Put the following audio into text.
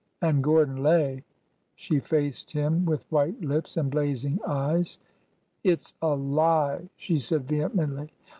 and Gordon Lay —" She faced him with white lips and blazing eyes. ^Ht 's a lie!" she said vehemently.